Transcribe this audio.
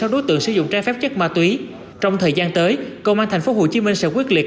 ba trăm ba mươi sáu đối tượng sử dụng trái phép chất ma túy trong thời gian tới công an tp hcm sẽ quyết liệt